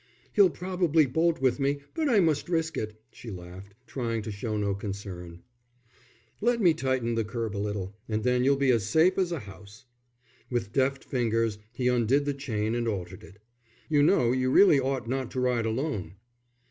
"He'll probably bolt with me, but I must risk it," she laughed, trying to show no concern. "Let me tighten the curb a little, and then you'll be as safe as a house." With deft fingers he undid the chain and altered it. "You know, you really ought not to ride alone."